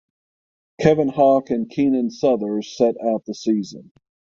Kevin Hock and Keenan Suthers sat out the season.